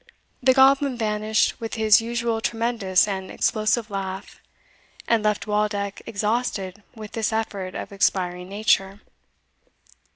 The goblin vanished with his usual tremendous and explosive laugh, and left Waldeck exhausted with this effort of expiring nature.